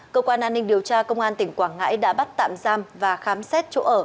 cơ quan an ninh điều tra công an tỉnh quảng ngãi đã bắt tạm giam và khám xét chỗ ở